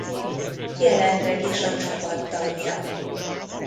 Jelenleg is a csapat tagja.